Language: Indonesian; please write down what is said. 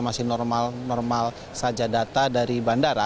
masih normal normal saja data dari bandara